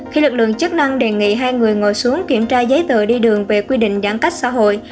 khi lực lượng chức năng đề nghị hai người ngồi xuống kiểm tra giấy tờ đi đường về quy định giãn cách xã hội